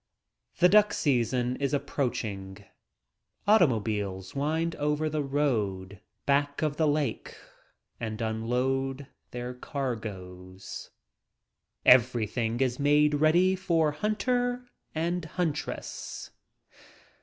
The duck season is approaching. Auto mobiles wind over the road back of the lake and unload their cargoes. Everything is made ready for hunter and huntress.